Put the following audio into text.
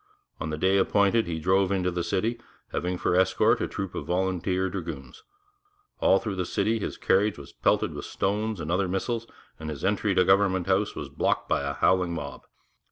On the day appointed he drove into the city, having for escort a troop of volunteer dragoons. All through the streets his carriage was pelted with stones and other missiles, and his entry to Government House was blocked by a howling mob.